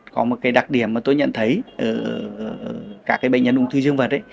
có một cái đặc điểm mà tôi nhận thấy cả cái bệnh nhân ung thư dương vật ấy